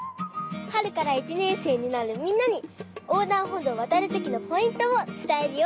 はるから１ねんせいになるみんなにおうだんほどうをわたるときのポイントをつたえるよ！